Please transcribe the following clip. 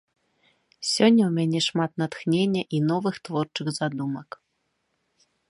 Сёння ў мяне шмат натхнення і новых творчых задумак.